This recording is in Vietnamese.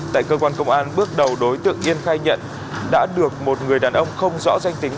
tại cơ quan công an bước đầu đối tượng yên khai nhận đã được một người đàn ông không rõ danh tính